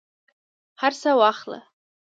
هرڅه واخله